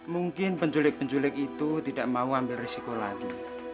mungkin penculik penculik itu tidak mau ambil risiko lagi